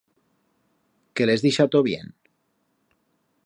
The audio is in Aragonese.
Que el hes deixato bien.